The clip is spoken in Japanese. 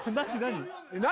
何？